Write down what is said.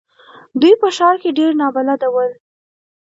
دوی په ښار کې ډېر نابلده ول.